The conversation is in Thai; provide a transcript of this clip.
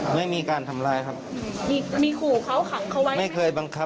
ไม่ได้ความคาบถูกเผ็ดแน่นะ